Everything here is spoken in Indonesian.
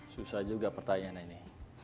susah juga pertanyaannya ini